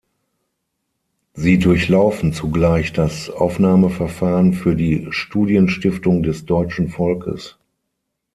Sie durchlaufen zugleich das Aufnahmeverfahren für die Studienstiftung des deutschen Volkes.